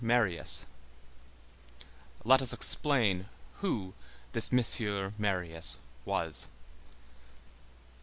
Marius. Let us explain who this M. Marius was.